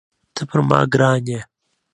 ته پر ما ګران یې